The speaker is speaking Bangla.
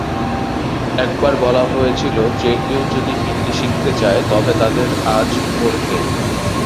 একবার বলা হয়েছিল যে কেউ যদি হিন্দি শিখতে চায় তবে তাদের ""আজ" পড়তে"।